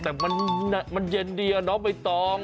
แต่มันเย็นดีอ่ะเนาะไม่ต้อง